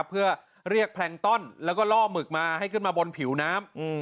เพื่อเรียกแพลงต้อนแล้วก็ล่อหมึกมาให้ขึ้นมาบนผิวน้ำ